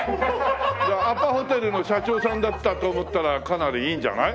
アパホテルの社長さんだって思ったらかなりいいんじゃない？